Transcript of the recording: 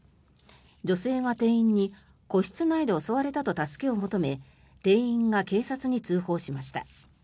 女性が店員に個室内で襲われたと助けを求め店員が警察に通報しました。